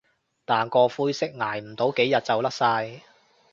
但個灰色捱唔到幾日就甩晒